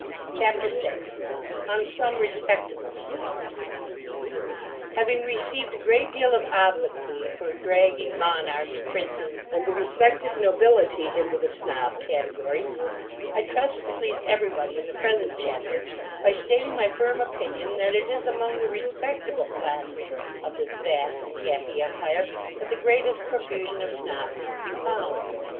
CHAPTER VI ON SOME RESPECTABLE SNOBS Having received a great deal of obloquy for dragging monarchs, princes, and the respected nobility into the Snob category, I trust to please everybody in the present chapter, by stating my firm opinion that it is among the RESPECTABLE classes of this vast and happy empire that the greatest profusion of Snobs is to be found.